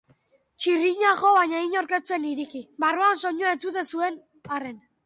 Txirrina jo baina inork ez zuen ireki, barruan soinua entzuten zuten arren.